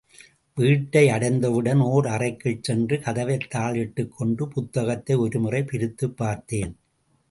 வீட்டை அடைந்தவுடன் ஓர் அறைக்குள் சென்று கதவைத் தாளிட்டுக்கொண்டு புத்தகத்தை ஒருமுறை பிரித்துப்பார்த்தேன்.